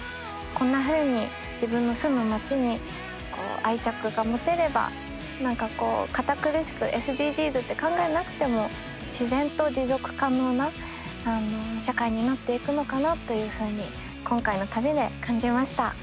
こんなふうに自分の住む町に愛着が持てれば何かこう堅苦しくＳＤＧｓって考えなくても自然と持続可能な社会になっていくのかなというふうに今回の旅で感じました。